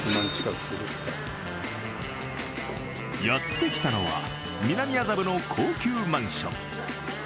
やってきたのは南麻布の高級マンション。